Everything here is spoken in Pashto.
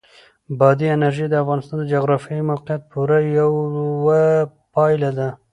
بادي انرژي د افغانستان د جغرافیایي موقیعت پوره یوه پایله ده.